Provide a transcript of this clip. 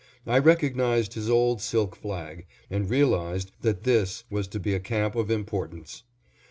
I recognized his old silk flag, and realized that this was to be a camp of importance.